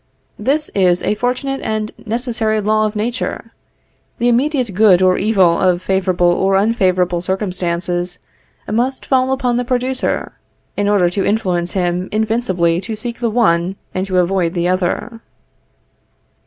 This is a fortunate and necessary law of nature. The immediate good or evil of favorable or unfavorable circumstances must fall upon the producer, in order to influence him invincibly to seek the one and to avoid the other.